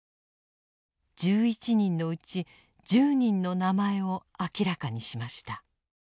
１１人のうち１０人の名前を明らかにしました。